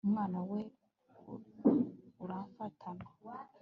umunwa we urafatana